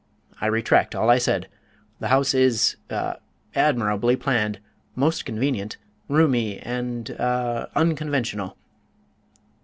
I retract all I said. The house is ah admirably planned: most convenient, roomy, and ah unconventional.